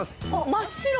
真っ白！